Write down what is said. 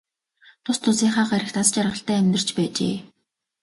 Тус тусынхаа гаригт аз жаргалтай амьдарч байжээ.